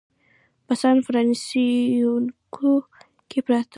په سان فرانسیسکو کې پرته ده.